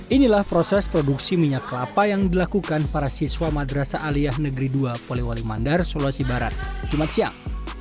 inilah proses produksi minyak kelapa yang dilakukan para siswa madrasah aliyah negeri dua polewali mandar sulawesi barat jumat siang